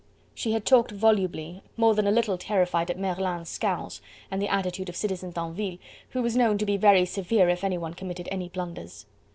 She had talked volubly, more than a little terrified at Merlin's scowls, and the attitude of Citizen Tinville, who was known to be very severe if anyone committed any blunders.